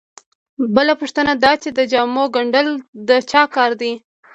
بله پوښتنه دا چې د جامو ګنډل د چا کار دی